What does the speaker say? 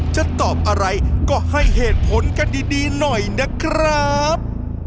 จะตอบอะไรก็ให้เหตุผลกันดีหน่อยนะครับ